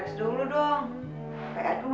kalau dipecat semua